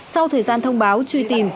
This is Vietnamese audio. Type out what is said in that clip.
sau thời gian thông báo truy tìm